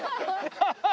ハハハハ！